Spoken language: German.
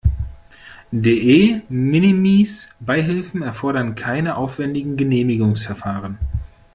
De-minimis-Beihilfen erfordern keine aufwändigen Genehmigungsverfahren.